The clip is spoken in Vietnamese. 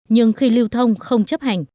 nhưng khi lưu thông không chấp hành